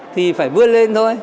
thì phải vươn lên thôi